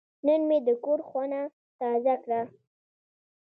نن مې د کور خونه تازه کړه.